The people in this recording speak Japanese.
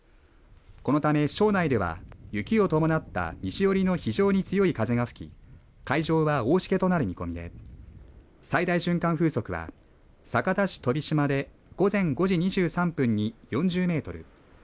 このため、庄内では雪を伴った西寄りの非常に強い風が吹き海上は、大しけとなる見込みで最大瞬間風速は酒田市飛島で午前５時２３分に４０メートル